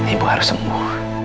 ibu harus sembuh